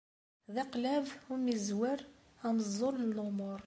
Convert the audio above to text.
D aqlab umizzwer ameẓẓul n lumuṛ.